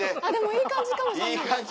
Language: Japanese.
いい感じかもしれない。